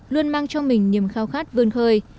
luôn mang cho mình niềm khao khát vươn khơi